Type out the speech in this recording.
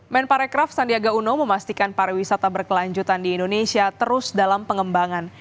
men parekraf sandiaga uno memastikan pariwisata berkelanjutan di indonesia terus dalam pengembangan